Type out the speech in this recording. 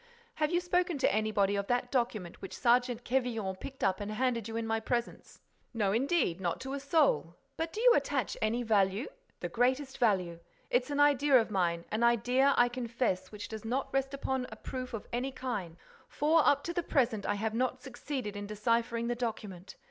Have you spoken to anybody of that document which Sergeant Quevillon picked up and handed you in my presence?" "No, indeed; not to a soul. But do you attach any value—?" "The greatest value. It's an idea of mine, an idea, I confess, which does not rest upon a proof of any kind—for, up to the present, I have not succeeded in deciphering the document.